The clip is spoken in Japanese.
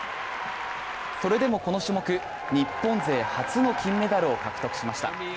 それでもこの種目日本勢初の金メダルを獲得しました。